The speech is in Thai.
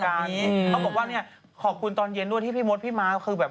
เขาบอกว่าเนี่ยขอบคุณตอนเย็นด้วยที่พี่มดพี่ม้าคือแบบ